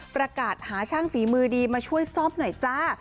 ประกาศหาช่างฝีมือดีมาช่วยซ่อมหน่อยจ้า